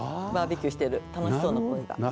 バーベキューしてる楽しそうな声が。